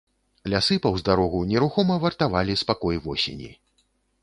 Лясы паўз дарогу нерухома вартавалі спакой восені.